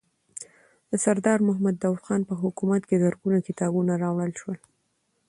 د سردار محمد داود خان په حکومت کې زرګونه کتابونه راوړل شول.